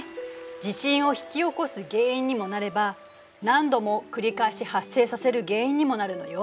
地震を引き起こす原因にもなれば何度も繰り返し発生させる原因にもなるのよ。